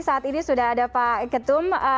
saat ini sudah ada pak ketum